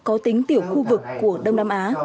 có tính tiểu khu vực của đông nam á